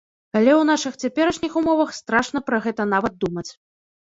Але ў нашых цяперашніх умовах страшна пра гэта нават думаць.